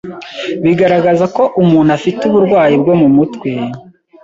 bigaragaza ko umuntu afite uburwayi bwo mu mutwe